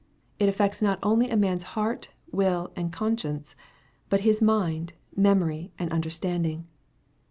It affects not only a man's heart, will, and con science, but his mind, memory, and understanding.